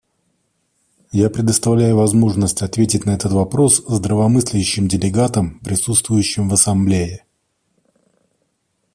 Я предоставлю возможность ответить на этот вопрос здравомыслящим делегатам, присутствующим в Ассамблее.